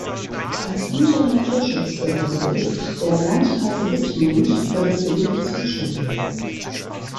Als untere Naturschutzbehörde ist der Landkreis Wittmund für das Gebiet zuständig.